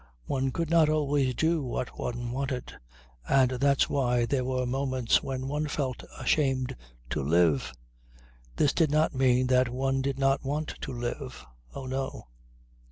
One could not always do what one wanted and that's why there were moments when one felt ashamed to live. This did not mean that one did not want to live. Oh no!